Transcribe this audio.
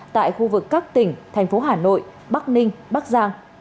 tại khu vực các tỉnh thành phố hà nội bắc ninh bắc giang